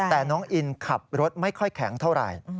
แต่น้องอินขับรถไม่ค่อยแข็งเท่าไหร่